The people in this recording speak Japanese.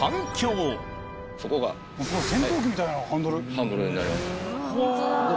ハンドルになります。